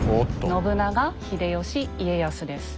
信長秀吉家康です。